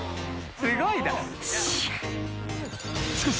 すごいな。